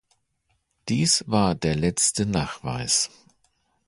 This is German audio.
Dies war der letzte Nachweis.